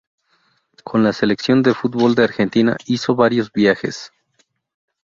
Con la selección de fútbol de Argentina hizo varios viajes.